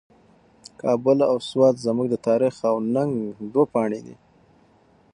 کابل او سوات زموږ د تاریخ او ننګ دوه پاڼې دي.